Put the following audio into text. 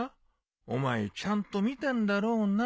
お前ちゃんと見たんだろうな。